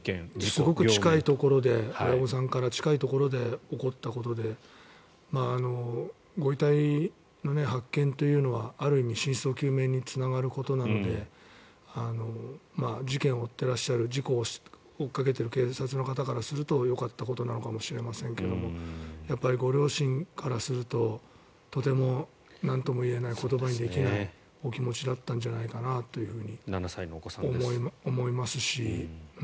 すごく近いところ親御さんから近いところで起こったことでご遺体の発見というのはある意味真相究明につながることなので事件を追ってらっしゃる事故を追いかけている警察の方からするとよかったことなのかもしれませんけどご両親からすると、とてもなんともいえない言葉にできないお気持ちだったんじゃないかなと思いますし。